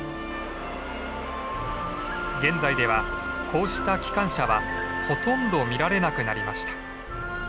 現在ではこうした機関車はほとんど見られなくなりました。